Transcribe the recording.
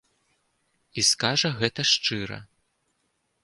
І скажа гэта шчыра.